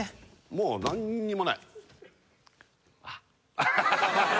もう何にもないあっ